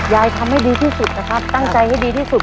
ทำให้ดีที่สุดนะครับตั้งใจให้ดีที่สุด